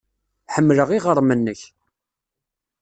Ḥemmleɣ iɣrem-nnek.